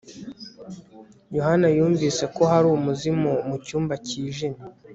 yohana yumvise ko hari umuzimu mucyumba cyijimye